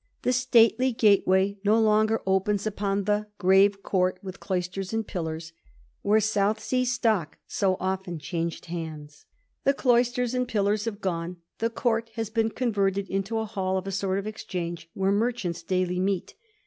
The stately gate way no longer opens upon the * grave court, with cloisters and pillars/ where South Sea stock so often changed hands. The cloisters aud pillars have gone ; the court has been converted into a hall of a sort of exchange, where merchants daily meet.